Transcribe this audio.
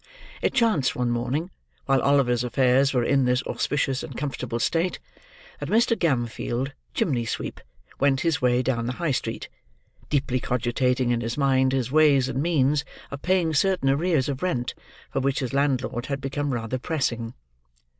It chanced one morning, while Oliver's affairs were in this auspicious and comfortable state, that Mr. Gamfield, chimney sweep, went his way down the High Street, deeply cogitating in his mind his ways and means of paying certain arrears of rent, for which his landlord had become rather pressing.